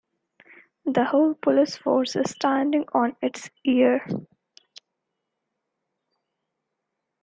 The whole police force standing on it's ear.